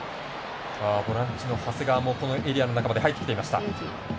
ボランチの長谷川もこのエリアの中まで入ってきていました。